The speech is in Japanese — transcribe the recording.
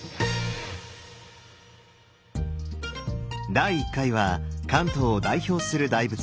第１回は関東を代表する大仏